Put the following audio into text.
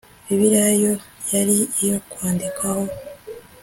bibiliya yo yari iyo kwandikwaho